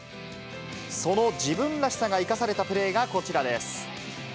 その自分らしさが生かされたプレーがこちらです。